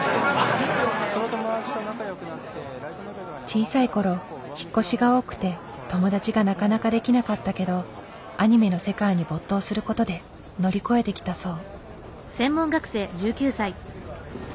小さい頃引っ越しが多くて友達がなかなかできなかったけどアニメの世界に没頭する事で乗り越えてきたそう。